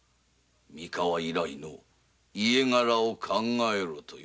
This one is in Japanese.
三河以来の家柄を考えろとな。